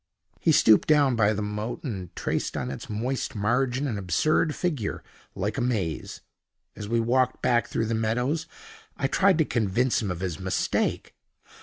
He stooped down by the moat, and traced on its moist margin an absurd figure like a maze. As we walked back through the meadows, I tried to convince him of his mistake.